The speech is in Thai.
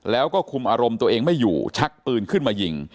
แล้วก็คุมอารมณ์ตัวเองไม่อยู่ชักปืนขึ้นมายิง